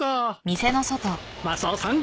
マスオさん